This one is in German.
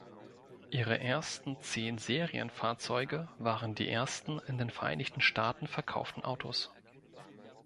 Ihre ersten zehn Serienfahrzeuge waren die ersten in den Vereinigten Staaten verkauften Autos.